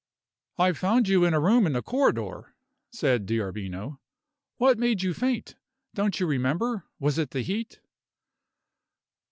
"I found you in a room in the corridor," said D'Arbino. "What made you faint? Don't you remember? Was it the heat?"